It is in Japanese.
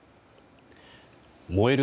燃える